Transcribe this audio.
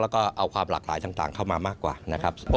แล้วก็เอาความหลากหลายต่างเข้ามามากกว่านะครับ